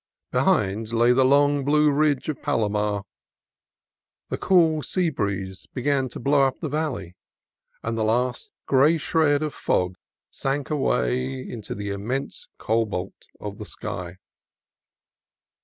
Be hind lay the long blue ridge of Palomar. The cool sea breeze began to blow up the valley, and the last gray shred of fog sank away into the intense cobalt of the sky.